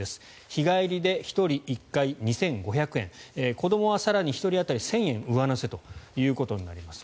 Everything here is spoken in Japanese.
日帰りで１人１回２５００円子どもは更に１人当たり１０００円上乗せとなります。